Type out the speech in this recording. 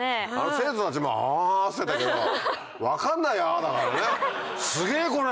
生徒たちも「あ」って言ってたけど分かんない「あ」だからね「すげぇこれ！」